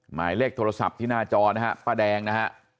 หมายเลขโทรศัพท์ที่หน้าจอนะฮะป้าแดงนะฮะ